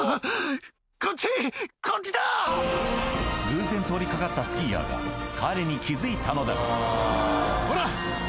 偶然通り掛かったスキーヤーが彼に気付いたのだほら！